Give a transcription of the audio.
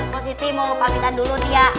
positif mau pamitan dulu dia